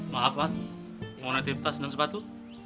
maaf mas mau naik tas dan sepatu